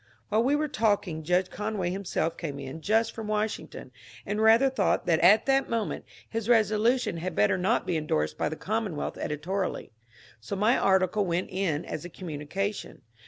While we were talking Judge Conway himself came in just from Washing^n, and rather thought that at that moment his re solution had better not be endorsed by the ^^ C<»nmon wealth " editorially. So my article went in as a communication.